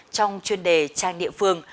trong chuyên đề trang địa phương